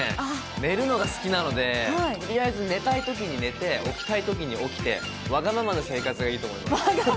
寝るのが好きなので、とりあえず寝たいときに寝て、起きたいときに起きて、わがままな生活。